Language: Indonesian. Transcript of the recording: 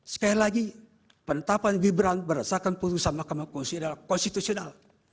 sekali lagi penetapan gibran berdasarkan putusan mahkamah konstitusi adalah konstitusional